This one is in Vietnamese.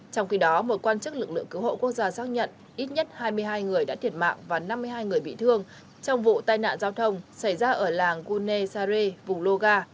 trong khi đó một quan chức lực lượng cứu hộ quốc gia xác nhận ít nhất hai mươi hai người đã thiệt mạng và năm mươi hai người bị thương trong vụ tai nạn giao thông xảy ra ở làng gune sare vùng loga